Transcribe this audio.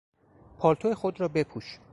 پالتو خود را بپوش!